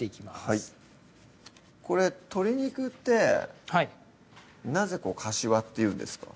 はいこれ鶏肉ってなぜかしわっていうんですか？